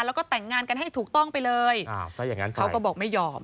แล้วก็แต่งงานกันให้ถูกต้องไปเลยเขาก็บอกไม่ยอม